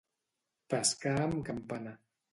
Pescar amb campana.